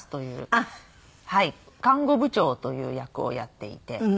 看護部長という役をやっていて。